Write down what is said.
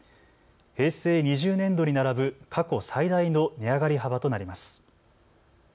平成２０年度に並ぶ過去最大の値上がり幅となります。